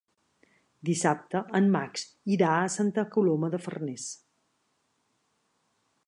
Dissabte en Max irà a Santa Coloma de Farners.